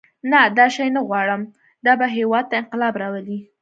نه دا شی نه غواړم دا به هېواد ته انقلاب راولي.